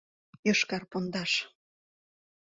Йошкар пондаш!